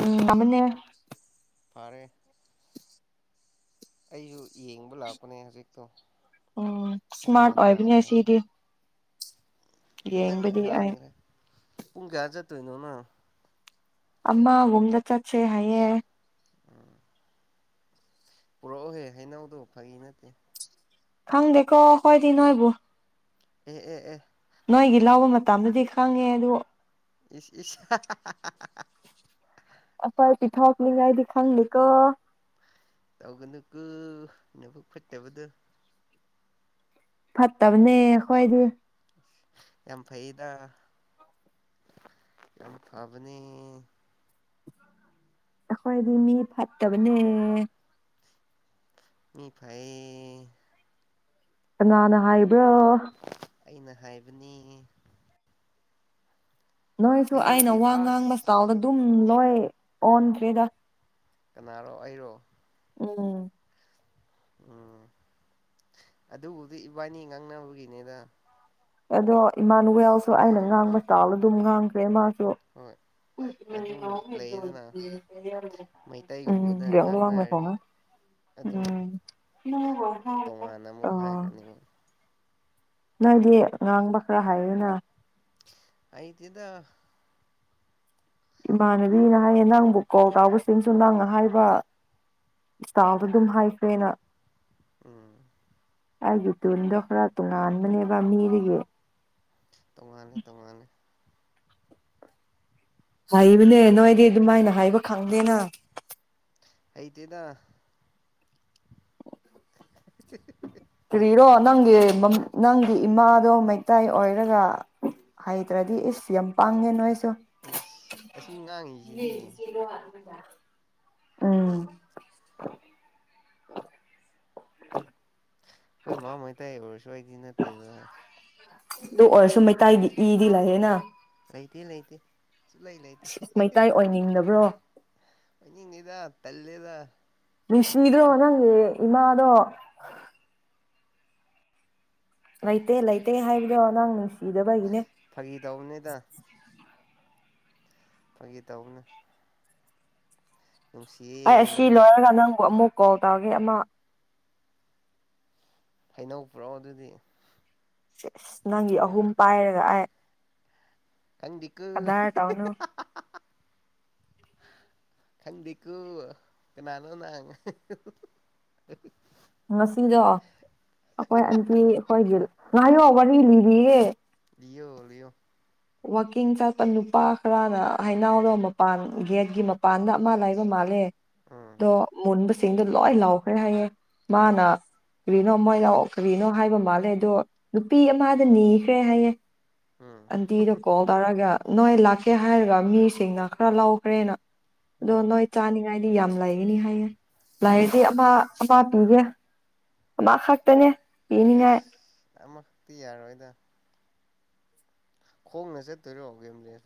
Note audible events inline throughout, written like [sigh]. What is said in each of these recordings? ꯎꯝ ꯃꯃꯅꯦ ꯐꯔꯦ ꯑꯩꯁꯨ ꯌꯦꯡꯕ ꯂꯥꯛꯄꯅꯦ ꯍꯧꯖꯤꯛꯇꯣ ꯎꯝ ꯁꯃꯥꯠ ꯅꯪꯅ ꯑꯣꯏ ꯍꯥꯟꯈ꯭ꯔꯕ ꯄꯁꯤꯗꯤ ꯅꯪꯅ ꯌꯦꯡꯕꯗꯤ ꯍꯥꯟꯈ꯭ꯔꯦ ꯄꯨꯡ ꯀꯌꯥ ꯆꯠꯇꯣꯏꯅꯣꯅ ꯑꯃ ꯎꯝꯗ ꯆꯠꯁꯦ ꯍꯥꯏꯌꯦꯡ ꯄꯨꯔꯛꯎꯍꯦ ꯍꯩꯅꯧꯗꯣ ꯐꯩ ꯅꯠꯇꯦ ꯈꯪ ꯗꯦꯀꯣꯈꯣꯏꯗꯤ ꯅꯣꯏꯕꯨꯨꯡ ꯑꯦ ꯎ ꯑꯦ ꯅꯣꯏꯒꯤ ꯂꯧꯕ ꯃꯇꯝꯗꯗꯤ ꯈꯪꯉꯦ ꯑꯗꯨ ꯏꯁ ꯏꯁ ꯑꯁꯔ ꯄꯤꯊꯣꯛꯅꯤꯒꯥꯏꯗꯤ ꯈꯥꯡꯅꯤ ꯀꯣ ꯇꯧꯒꯅꯨ ꯀꯨ ꯅꯕꯨꯛ ꯐꯠꯇꯕꯗ ꯐꯠꯇꯕꯅꯦ ꯈꯣꯏꯗꯤ ꯌꯥꯝ ꯐꯩꯗ ꯌꯥꯝ ꯐꯕꯅꯤ ꯑꯩꯈꯣꯏꯗꯤ ꯃꯤ ꯐꯠꯇꯕꯅꯦ ꯃꯤ ꯐꯩ ꯉꯅ ꯍꯥꯏꯕ꯭ꯔꯥꯣ ꯑꯩꯅ ꯍꯥꯏꯕꯅꯤ ꯅꯣꯏꯁꯨ ꯑꯩꯅ ꯍꯩꯅꯧꯗꯤ ꯋꯥ ꯑꯁ ꯉꯥꯡꯕꯇꯥꯎꯗ ꯑꯗꯨꯝ ꯎꯝ ꯂꯣꯏ ꯑꯣꯟꯗ꯭ꯔꯦꯗ ꯀꯅꯥꯔꯣ ꯑꯩꯔꯣ ꯎꯝ ꯎꯝ ꯑꯗꯨꯕꯨꯗꯤ ꯏꯕꯥꯅꯤ ꯉꯥꯡꯅꯕꯒꯤꯅꯦꯗ ꯑꯗꯣ ꯏꯃꯥꯅꯨ ꯌꯥꯦꯜꯁꯨ ꯑꯩꯅ ꯉꯥꯡꯕ ꯆꯥꯎ ꯑꯗꯨꯝ ꯉꯥꯡꯈ꯭ꯔꯦ ꯃꯥ ꯍꯣꯏ ꯑꯗꯨꯝ ꯂꯩꯗꯅ ꯃꯩꯇꯩꯒꯨꯝꯕꯗ ꯎꯝ ꯌꯥꯎ ꯋꯥꯉꯃꯦ ꯉꯥꯡꯅꯔꯗꯤ ꯐꯉ ꯑꯗꯨꯝ ꯎꯝ ꯇꯣꯉꯥꯟꯅ ꯑ ꯑꯃꯨꯛ ꯍꯥꯏꯈ꯭ꯔꯅꯤ ꯑꯃꯨꯛ ꯅꯪꯗꯤ ꯉꯥꯡꯕ ꯈꯔ ꯍꯥꯏꯌꯦꯅ ꯑꯩꯗꯤꯗ ꯏꯃꯥꯟꯅꯕꯤꯅ ꯍꯥꯏꯌꯦ ꯅꯪꯕꯨ ꯀꯣ ꯀꯥꯎꯕꯁꯤꯡꯁꯨ ꯅꯪꯅ ꯍꯥꯏꯕ ꯏꯁꯇꯥꯥꯎꯗ ꯑꯗꯨꯝ ꯍꯥꯏꯈ꯭ꯔꯦꯅ ꯎꯝ ꯑꯩꯒꯤ ꯇꯨꯟꯗꯣ ꯈꯔ ꯇꯣꯉꯥꯟꯕꯅꯦꯕ ꯃꯤꯒ ꯇꯃꯅꯦ ꯇꯃꯅꯦ ꯍꯕꯅꯦ ꯅꯣꯏꯗꯤ ꯑꯗꯨꯃꯥꯏꯅ ꯍꯥꯏꯕ ꯈꯪꯗꯦꯅ ꯑꯗꯤꯗ ꯀꯔꯤꯔꯣ ꯅꯪꯒꯤ ꯅꯪꯒꯤ ꯏꯃꯥꯗꯣ ꯃꯩꯇꯩꯥꯏ ꯑꯣꯏꯔꯒ ꯍꯩꯇ꯭ꯔꯗꯤ ꯏꯁꯁ ꯌꯥꯝ ꯄꯥꯡꯉꯦ ꯅꯣꯏꯁ ꯑꯁ ꯑꯁꯤ ꯉꯥꯡꯉꯤꯁꯤꯗꯤ ꯎꯝ [inaudible] ꯑꯩꯣꯏ ꯃꯥ ꯃꯩ ꯇꯥꯏ ꯑꯣꯏꯔ ꯋꯥꯏꯒꯤ ꯅꯠꯇꯦꯔ ꯑꯗꯨ ꯑꯣꯏꯔꯁꯨ ꯃꯩꯇꯩꯗꯤ ꯏꯗꯤ ꯂꯩꯑꯦꯅ ꯂꯩꯇ ꯂꯩꯇ ꯑ ꯑ ꯃꯩꯇꯥꯏ ꯑꯣꯏꯅꯤꯡꯗꯕ꯭ꯔꯣ ꯅꯤꯉꯗ ꯇꯂꯦꯗ ꯁꯤꯗꯣꯅꯦ ꯏꯃꯥꯗꯣ ꯂꯩꯇꯦ ꯂꯩꯇꯦ ꯍꯥꯏꯕꯗꯣ ꯅꯪ ꯅꯨꯡꯁꯤꯗꯕꯒꯤꯅꯦ ꯐꯥꯒꯤ ꯇꯧꯕꯅꯤꯗ ꯐꯒꯤ ꯇ ꯍꯅꯦ ꯑꯩ ꯑꯁꯤ ꯂꯣꯏꯅ ꯂꯣꯏꯔꯒ ꯅꯪꯕꯨ ꯑꯃꯨꯛ ꯀꯣꯜ ꯇꯧꯔꯒꯦ ꯑꯃ ꯍꯩꯅꯧ ꯄꯨ꯭ꯔꯣ ꯑꯗꯨꯗꯤ ꯁꯠ ꯑꯁ ꯅꯪꯒꯤ ꯑꯍꯨꯝ ꯄꯥꯏꯔꯒ ꯑꯩ ꯀꯪꯖꯤꯤꯀ ꯀꯗꯥꯔ ꯇꯧꯅꯨ ꯈꯪꯗꯤ ꯀꯨ ꯀꯅꯥꯅꯣ ꯅ ꯉꯁꯤꯗꯣ ꯑꯩꯈꯣꯏ ꯑꯟꯇꯤ ꯑꯩꯈꯣꯏꯒꯤ ꯉꯥꯏꯌꯣ ꯋꯥꯔꯤ ꯂꯤꯔꯤꯌꯦꯦ ꯏꯌꯣ ꯏꯌꯣ ꯋꯥꯛꯀꯤꯡ ꯆꯠꯄ ꯅꯨꯄꯥ ꯈꯔꯅ ꯍꯩꯅꯥꯎꯔꯣ ꯃꯄꯥꯟ ꯒꯦꯠꯀꯤ ꯃꯄꯥꯟꯗ ꯑꯃ ꯂꯩꯥꯏꯕ ꯃꯥꯜꯂꯦ ꯎꯝ ꯑ ꯃꯣꯟꯕ ꯁꯤꯡꯗꯣ ꯂꯣꯏ ꯂꯥꯎꯈ꯭ꯔꯦ ꯍꯥꯏꯌꯦ ꯑꯥ ꯃꯥꯅꯥ ꯀꯔꯤꯅꯣ ꯃꯣꯏ ꯂꯥꯛꯑꯣ ꯀꯔꯤꯅꯣ ꯍꯥꯏꯕ ꯃꯥꯜꯂꯦ ꯑꯗꯣ ꯅꯨꯄꯤ ꯑꯃꯗ ꯅꯤꯈ꯭ꯔꯦ ꯍꯥꯏꯌꯦ ꯎꯝ ꯑꯟꯇꯤꯗ ꯀꯣꯜ ꯇꯥꯔꯒ ꯅꯥꯏ ꯂꯥꯛꯀꯦ ꯍꯥꯏꯔꯒ ꯃꯤꯁꯤꯡꯅ ꯈꯔ ꯂꯧꯈ꯭ꯔꯦꯅ ꯑꯗꯨꯗꯣ ꯎꯝ ꯅꯣꯣꯏ ꯆꯥꯅꯤꯒꯥꯏ ꯁꯤ ꯌꯥꯝ ꯂꯩꯒꯅꯤ ꯍꯥꯏꯌꯦ ꯎꯝ ꯂꯥꯏꯗꯤ ꯑ ꯄꯥꯄꯤꯒ ꯕꯥꯥꯁ ꯍꯥꯥꯛꯇꯅꯦ ꯏꯅꯤꯡꯉ ꯑꯃ ꯁꯛꯇꯤ ꯌꯥꯔ ꯑꯣꯏꯗ ꯈꯣꯡꯅ ꯆꯠꯇꯣꯏꯔꯣ ꯀꯦꯝ ꯂꯩ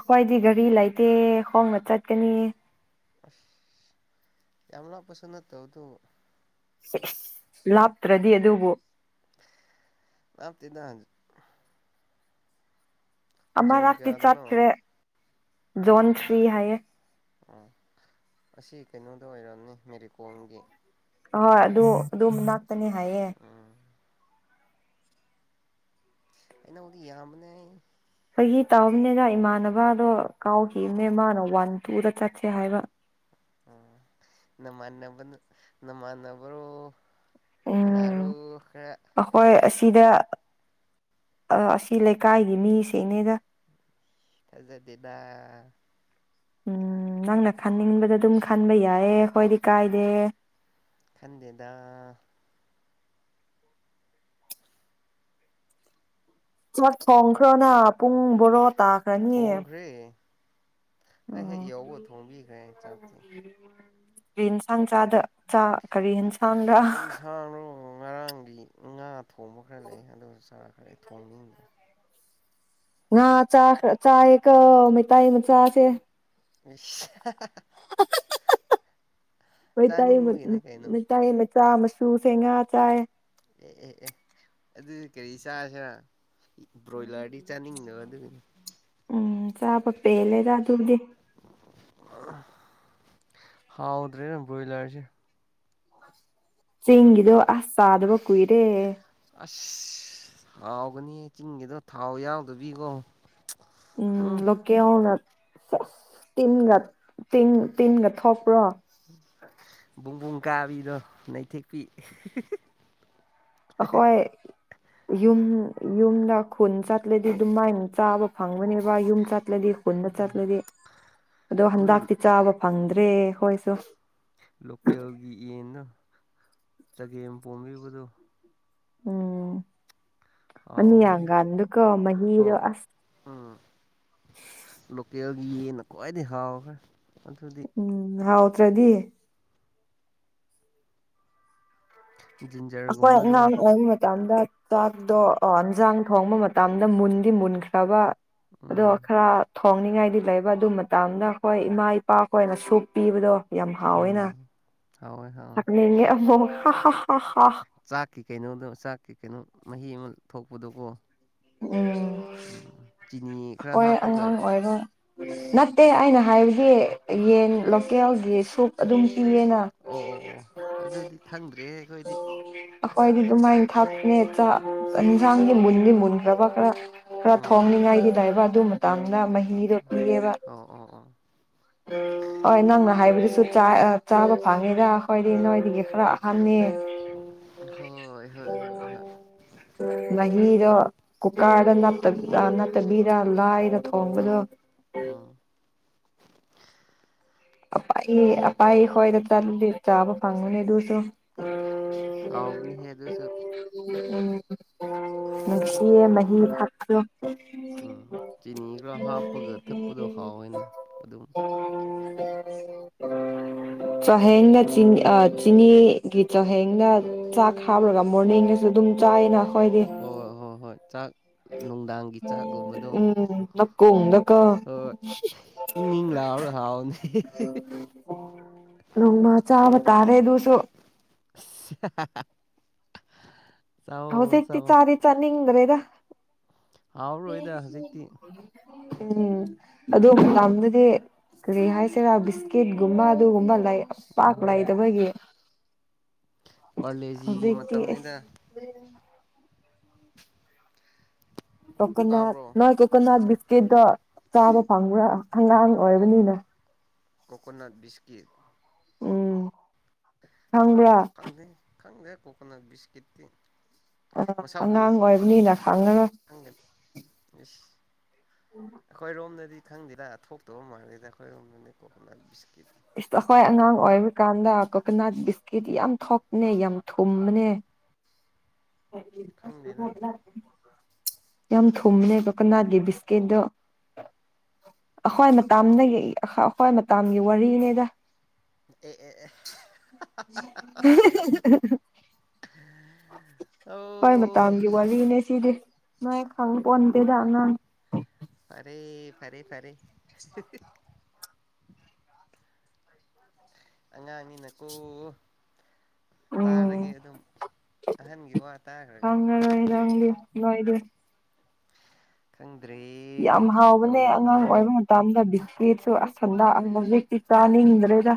ꯑꯩꯈꯣꯏꯗꯤ ꯒꯥꯔꯤ ꯂꯩꯇꯦ ꯈꯣꯡꯅ ꯆꯠꯀꯅꯤ ꯀꯃ ꯄꯁꯅ ꯇ ꯇꯣ ꯂꯥꯞꯇ꯭ꯔꯗꯤ ꯑꯗꯨꯕꯨ ꯂꯞꯇꯗ ꯑꯃ ꯔꯥꯇꯤ ꯀꯌꯥꯗꯅꯣ ꯆꯥꯠꯈ꯭ꯔꯦ ꯖꯣꯟ ꯊ꯭ꯔꯤ ꯍꯥꯏꯌꯦ ꯑꯣ ꯑꯁꯤ ꯀꯩꯅꯣꯗ ꯑꯣꯏꯔꯕꯅꯤ ꯃꯦꯔꯤ ꯀꯣꯝꯒꯤ ꯑꯣꯏ ꯑꯗꯨ ꯑꯗꯨꯝ ꯛꯇꯅꯤ ꯍꯥꯏꯌꯦ ꯎꯝ ꯑꯩꯅ ꯎꯗꯤ ꯌꯥꯝꯕꯅꯦ ꯆꯍꯤ ꯇꯧꯝꯅꯦꯒ ꯏꯃꯥꯟꯅꯕꯗꯣ ꯀꯥꯎꯈꯤꯕꯅꯦ ꯃꯥꯅ ꯋꯥꯟ ꯇꯨꯗ ꯆꯠꯁꯦ ꯍꯥꯏꯕ ꯎ ꯅꯃꯥꯟꯅꯕ ꯅꯃꯥꯟꯕꯔꯣ ꯀꯩꯅ ꯁꯤꯗ ꯑꯁꯤ ꯂꯩꯀꯥꯏꯒꯤ ꯃꯤꯁꯤꯡꯅꯦꯗ ꯁꯦꯕꯤꯗꯥ ꯎꯝ ꯅꯪꯅ ꯈꯟꯅꯤꯡꯕꯗ ꯑꯗꯨꯝ ꯈꯟꯕ ꯌꯥꯏꯌꯦ ꯍꯣꯏꯗꯤ ꯀꯥꯏꯗꯦ ꯈꯟꯗꯦꯗ ꯈꯪꯈ꯭ꯔꯅꯥ ꯄꯨꯡꯨꯡꯕꯠ ꯇꯥ ꯀꯅꯤ ꯊꯣꯡꯈ꯭ꯔꯦ ꯑꯩ ꯍꯦꯛ ꯌꯋ ꯊꯣꯡꯕꯤꯈ꯭ꯔꯦ ꯆꯥꯛꯇꯤ ꯔꯤꯟꯁꯥꯡ ꯆꯥꯗ ꯆꯥ ꯀꯔꯤ ꯌꯦꯟꯁꯥꯡꯔ ꯏꯟꯁꯥꯡꯅ ꯉꯔꯥꯡꯒꯤ ꯑ ꯊꯣꯡꯕ ꯈꯔ ꯂꯩ ꯑꯗꯨꯒ ꯆꯥꯛ ꯐꯔꯦ ꯊꯣꯡꯅꯤꯗ ꯍꯥꯥ ꯆꯥ ꯆꯥ ꯑꯦ ꯃꯦ ꯇꯏ ꯃ ꯆꯥꯁ ꯑ ꯆꯥꯅꯤꯡꯕꯒꯤꯅꯦ ꯀꯩꯅꯣ ꯃꯣꯏꯇꯠꯇ ꯆꯥ ꯃꯆꯁꯨ ꯁꯦꯡꯉꯥ ꯆꯥꯏ ꯑꯦ ꯑꯦ ꯑꯗꯨ ꯀꯔꯤ ꯆꯥꯥꯁꯦ ꯎꯝ ꯆꯥꯕꯄꯦ ꯂꯩꯦꯗ ꯑꯗꯨꯗꯤ ꯍꯥꯎꯥꯎꯗ꯭ꯔꯦ ꯭ꯔꯣꯏꯂꯔꯁꯤ ꯆꯦꯡꯒꯤꯗꯨꯣ ꯑꯁ ꯆꯗꯕ ꯀꯨꯏꯔꯦ ꯑꯁ ꯍꯥꯎꯒꯅꯤ ꯆꯤꯡꯒꯤꯗꯣ ꯊꯥꯎ ꯌꯥꯎꯗꯕꯤꯀꯣ ꯎꯝ ꯂꯦ ꯍꯅ ꯇꯤꯟꯒ ꯇ ꯇꯤꯟꯒ ꯊꯣꯛꯄ꯭ꯔꯣ ꯄꯨꯡꯕꯨꯡ ꯀꯥꯕꯤꯗꯣ ꯅꯩꯊꯦꯛꯄꯤ ꯑꯩꯈꯣꯏ ꯌꯨꯝ ꯌꯨꯝꯗ ꯈꯨꯟ ꯆꯠꯂꯗꯤ ꯑꯗꯨꯝꯃꯥꯏꯅ ꯆꯥꯕ ꯐꯪꯒꯅꯦꯕ ꯌꯨꯝ ꯆꯠꯂꯗꯤ ꯈꯨꯟꯗ ꯎꯝ ꯆꯠꯂꯗꯤ ꯑꯗꯣ ꯑꯗꯨ ꯍꯟꯗꯇꯤ ꯆꯥꯕ ꯐꯪꯗ꯭ꯔꯦ ꯍꯣꯏꯁꯨ ꯂꯣꯀꯦꯜꯒꯤ ꯌꯦ ꯆꯒꯦꯝ ꯄꯣꯝꯕꯤꯕꯗꯨꯣ ꯎꯝ ꯑꯅꯤꯌꯥꯡ ꯍꯥꯎꯋꯦꯍꯦ ꯀꯥꯟꯗꯨꯀ ꯃꯍꯤꯗꯣ ꯑꯁ ꯂꯒꯤ ꯅꯀꯣ ꯍꯥꯒ ꯎꯝ ꯍꯥꯎ ꯅꯠꯇ꯭ꯔꯗꯤ ꯑꯈ ꯖꯤꯟꯖꯔꯒꯨꯝꯕꯗꯣ ꯃꯇꯝꯗ ꯆꯥꯛꯇꯣ ꯌꯦꯟꯁꯥꯡ ꯊꯣꯡꯕ ꯃꯇꯝꯗ ꯃꯨꯟꯗꯤ ꯃꯨꯟꯈ꯭ꯔꯕ ꯑꯗꯣ ꯎꯝ ꯑꯈ꯭ꯔ ꯊꯣꯡꯅꯤꯡꯉꯥꯏꯗꯤ ꯂꯩꯕ ꯑꯗꯨ ꯃꯇꯝꯗ ꯑꯩꯈꯣꯏ ꯏꯃꯥ ꯏꯄꯥꯈꯅ ꯁꯨ ꯄꯤꯕꯗꯣ ꯌꯥꯝ ꯍꯥꯎꯋꯦꯅ ꯎꯝ ꯍꯥꯎꯋꯦ ꯍꯥꯎꯋꯦ ꯊꯛꯅꯤꯡꯉꯦ ꯑꯃꯨꯛ ꯍ ꯍ ꯍꯣ ꯆꯥꯛꯀꯤ ꯀꯩꯅꯣꯗꯣ ꯆꯥꯛꯀꯤ ꯀꯩꯅꯣ ꯃꯍꯤ ꯑꯃ ꯊꯣꯛ ꯄꯨꯗꯨꯀꯣ ꯎ ꯎꯝ ꯆ ꯍꯣꯏ ꯑꯉꯥꯡ ꯑꯣꯏꯔꯣ ꯅꯠꯇꯦ ꯑꯩꯅ ꯍꯥꯏꯕꯗꯤ ꯌꯦꯟ ꯂꯣꯀꯦꯜꯒꯤ ꯁꯨꯛ ꯑꯗꯨꯝ ꯄꯤꯌꯦꯅ ꯑꯣ ꯑꯣ ꯑꯣ ꯑꯗꯨꯗꯤ ꯈꯪꯗ꯭ꯔꯦ ꯑꯣꯏꯣꯏꯗꯤ ꯑꯩꯈꯣꯏꯗꯤ ꯑꯗꯨꯃꯥꯏꯅ ꯊꯥꯞꯅꯦ ꯆꯥꯛ ꯌꯦꯟꯁꯥꯡꯒꯤ ꯃꯨꯟꯗꯤ ꯃꯨꯟꯈ꯭ꯔꯕ ꯈꯔ ꯈꯔ ꯎꯝ ꯊꯣꯡꯅꯤꯡꯉꯥꯏꯗꯏꯕ ꯑꯗꯨ ꯃꯇꯥꯡ ꯃꯍꯤꯗꯣ ꯄꯤꯌꯦꯦꯕ ꯑꯣ ꯑꯣ ꯑꯣ ꯍ ꯅꯪꯅ ꯍꯥꯏꯕꯗꯨ ꯁꯨ ꯆꯥꯕ ꯐꯪꯉꯤꯔ ꯑꯩꯈꯣꯏꯗꯤ ꯎꯝ ꯅꯣꯏꯗꯒꯤ ꯈꯔ ꯑꯍꯟꯅꯤ ꯍꯣꯏ ꯍꯣꯏ ꯍꯣꯏ ꯍ ꯀꯨꯀꯥꯗ ꯅꯠꯇꯕꯤꯔ ꯂꯥꯏꯔ ꯊꯣꯡꯕꯗꯣ ꯎꯝ ꯑꯄꯥ ꯑꯄꯥꯥꯏ ꯍꯗ ꯆ ꯆꯕ ꯉꯅ ꯌꯦ ꯑꯗꯨꯁꯨ ꯁꯥꯎꯕꯅꯤ ꯍꯥꯏꯦ ꯑꯗꯨꯁꯨ ꯎꯝ ꯅꯨꯡꯁꯤꯌꯦ ꯃꯍꯤ ꯊꯥꯛꯄꯣ ꯎꯝ ꯆꯤꯅꯤ ꯈꯔ ꯍꯥꯞꯄꯒ ꯊꯛꯄꯗꯣ ꯍꯥꯎꯋꯦꯅ ꯑꯗꯨꯝ ꯆꯍꯦꯡꯅ ꯆ ꯆꯤꯅꯤꯒꯤ ꯆꯍꯦꯡꯗ ꯆꯥꯛ ꯍꯥꯥꯞꯔꯒ ꯃꯣꯔꯅꯤꯡꯗꯁꯨ ꯑꯗꯨꯝ ꯆꯥꯏꯅ ꯍ ꯍꯣ ꯍꯣꯏ ꯆꯥꯛ ꯅꯨꯡꯗꯥꯡꯒꯤ ꯆꯥꯛꯒꯨꯝꯕꯗꯣ ꯎꯝ ꯅꯀꯨꯡꯗꯀꯣ ꯍꯣꯏ ꯏꯪ ꯏꯪ ꯂꯥꯎ ꯍꯥꯎꯑꯣꯅꯦ [inaudible] ꯂꯣꯡꯃ ꯆꯥꯕ ꯇꯔꯦ ꯑꯗꯨꯣꯁꯨꯣ [inaudible] ꯍꯧꯖꯤ ꯆꯥꯎꯋꯣ ꯆꯥꯔꯤ ꯆꯅꯤ ꯗꯔꯦꯗ ꯍꯥꯎꯔꯣꯏꯗ ꯍꯧꯖꯤꯛꯇꯤ ꯎꯝ ꯑꯗꯨ ꯃꯗꯗꯤ ꯀꯔꯤ ꯍꯥꯏꯁꯤꯔꯥ ꯕꯤꯁꯀꯤꯠꯀꯨꯝꯕ ꯑꯗꯨꯒꯨꯝꯕ ꯂꯩ ꯄꯥꯥꯛ ꯂꯏꯗꯕꯣꯏꯒꯤ ꯄꯥꯂꯦꯖꯤꯒꯤ ꯑꯁ ꯃꯇꯝꯅꯤꯗ ꯀꯀꯅꯥ ꯇꯥꯕ꯭ꯔꯣ ꯅꯣꯏ ꯀꯣꯀꯅꯥꯠ ꯀꯦꯗ ꯆꯥꯕ ꯐꯪ꯭ꯔ ꯑꯉꯥꯡ ꯑꯣꯏꯕꯅꯤꯅ ꯀꯣꯀꯣꯅꯥꯠ ꯕꯤꯁꯀꯤꯠ ꯎꯝ ꯈꯪꯕ꯭ꯔꯥ ꯈꯪꯗꯦ ꯈꯪꯗꯦ ꯀꯣꯀꯣꯅꯥꯠ ꯁꯀꯤꯠ ꯑꯥ ꯑꯉꯥꯡ ꯑꯣꯏꯕꯅꯤꯅ ꯈꯪꯅꯅꯕ ꯑꯩꯈꯣꯏ ꯔꯣꯝꯗꯗꯤ ꯏ ꯈꯪꯗꯤꯗꯥ ꯊꯣꯛꯇꯧ ꯃꯥꯜꯂꯦꯗ ꯑꯩꯈꯣꯏꯔꯣꯝꯅꯤ ꯀꯣꯀꯣꯅꯠ ꯕꯤꯁꯀꯤꯠ ꯑꯩꯈꯣꯏ ꯑꯉꯥꯡ ꯑꯣꯏꯔꯤꯀꯥꯟꯗ ꯀꯣꯀꯣꯅꯠ ꯕꯤꯁꯀꯤꯠ ꯌꯥꯝ ꯊꯣꯛꯄꯅꯦ ꯌꯥꯝ ꯊꯨꯝꯅꯦ ꯈꯪꯗꯦꯗ [inaudible] ꯌꯥꯝ ꯊꯨꯝꯕꯅꯦꯕ ꯀꯅꯥꯠꯀꯤ ꯕꯤꯁꯀꯤꯦꯠꯇꯠꯇꯣ ꯑꯩꯈ꯭ꯋꯥꯏ ꯃꯇꯥꯝ ꯑꯩꯈ꯭ꯋꯥꯏ ꯃꯇꯥꯝꯒꯤ ꯋꯥꯔꯤꯅꯦꯗ [inaudible] ꯑꯦ ꯑꯦ ꯑꯦ ꯍꯣꯏ ꯃ ꯑꯧ ꯇꯝꯒꯤꯦ ꯋꯥꯂꯤꯅꯦ ꯁꯤꯗꯤ ꯅ ꯈꯥꯎ ꯄꯟꯗꯦꯗꯅ ꯐꯔꯦ ꯐꯔꯦ ꯐꯔꯦ [inaudible] ꯑꯉꯥꯡꯉꯤꯅꯀꯣ ꯇꯥꯔꯒꯦ ꯎꯝ ꯑꯗꯨꯝ ꯑꯍꯟꯒꯤ ꯋꯥ ꯇꯥꯈ꯭ꯔꯒꯦ ꯂ ꯏꯗ ꯀꯪ ꯌꯥꯝ ꯍꯥꯎꯕꯅꯦ ꯑꯉꯥꯡ ꯑꯣꯏꯕ ꯃꯇꯝꯗꯗꯤ ꯐꯁꯨ ꯑꯁꯟꯗ ꯑꯖꯤꯛꯇꯤ ꯆꯥꯅꯤꯡꯗ꯭ꯔꯦꯗ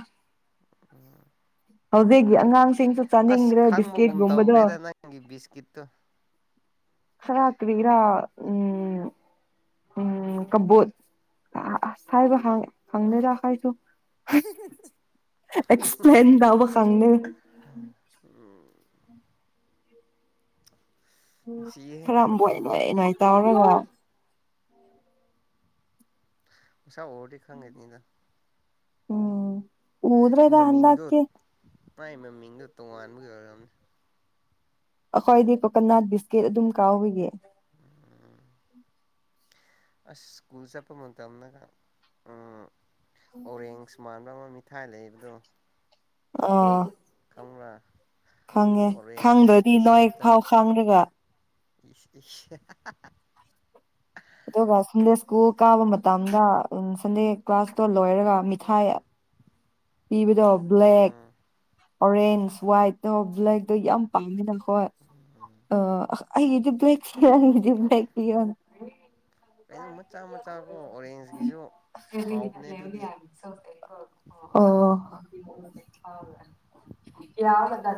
ꯎꯝ ꯍꯧꯗꯦ ꯑꯉꯥꯡ ꯑꯁ ꯈꯪꯕꯒꯨꯝ ꯇꯧꯈ꯭ꯔꯦꯗ ꯅꯪꯒꯤ ꯕꯤꯁꯀꯤꯠꯇꯨ ꯈꯔ ꯀꯔꯤꯔꯥ ꯎꯝ ꯎ ꯀꯕꯣꯠ ꯑꯁ ꯍꯥꯏꯕ ꯍꯪꯗꯔꯥ ꯍꯥꯏꯁꯨ ꯑꯦꯛꯁꯄ꯭ꯂꯦꯟ ꯎꯕ ꯈꯪꯅ ꯎꯝ ꯅꯨꯡꯁꯤꯌꯦ ꯈꯔꯕ ꯅꯨꯡ ꯃꯇꯝꯗꯣ ꯅꯨꯡꯉꯥꯏ ꯇꯔ ꯑꯁꯥ ꯍꯔ ꯊꯈꯥꯡꯒꯦꯅꯤꯗ ꯎꯝ ꯎꯗ꯭ꯔꯦꯗ ꯍꯟꯗꯀꯦ ꯃꯥꯏꯒꯤ ꯃꯃꯤꯡꯗꯣ ꯇꯣꯉꯥꯟꯕꯒꯤ ꯑꯣꯏꯔꯝꯅꯦ ꯑꯩꯈꯣꯏꯗꯤ ꯀꯣꯀꯅꯥꯠ ꯕꯤꯁꯀꯤꯠ ꯑꯗꯨꯝ ꯀꯥꯎꯏꯒꯦ ꯎꯝ ꯑꯁ ꯁꯀꯨꯜꯁꯦꯄ ꯃ ꯇꯧꯅ ꯀ ꯎꯝ ꯑꯣꯔꯁꯃꯥꯟ ꯑꯃ ꯏꯥꯏ ꯂꯩꯕꯗꯣ ꯑ [unintelligible] ꯈꯪꯉꯦ ꯈꯪꯗ꯭ꯔꯗꯤ ꯑꯣꯔꯦꯟꯖꯀꯤ ꯅꯋꯥ ꯁꯦꯞꯇ ꯐꯥꯎ ꯈꯪꯗ꯭ꯔꯒ [unintelligible] [inaudible] ꯁꯀꯨꯜ ꯀꯥꯕ ꯃꯇꯝꯗ ꯁꯟꯗꯦ ꯀ꯭ꯂꯥꯁꯇꯣ ꯂꯣꯏꯔꯒ ꯃꯤꯊꯥꯏ ꯄꯕꯙꯑꯣ ꯕ꯭ꯂꯦꯛ ꯎꯝ ꯑꯣꯔꯦꯟꯖ ꯋꯥꯋꯥꯏꯠꯇꯣ ꯕ꯭ꯂꯦꯛꯇꯣ ꯌꯥꯝ ꯄꯥꯝꯃꯤꯅ ꯍꯣꯏ ꯑ ꯑꯩꯒꯤꯗꯤ ꯕ꯭ꯂꯦꯛ ꯄꯤꯌꯣ ꯑꯩꯒꯤꯗꯤ ꯕ꯭ꯂꯦꯛ ꯄꯤꯌꯣ ꯀꯩꯅꯣ ꯃꯆꯥ ꯃꯆꯥꯀꯣ ꯑꯣꯔꯦꯟꯖꯀꯤꯁꯨ ꯀꯔꯤꯕꯂꯤ ꯍꯥꯎꯕꯅꯦ ꯑꯗꯨꯗꯤ ꯍꯥꯏ ꯑꯣ ꯀ ꯗ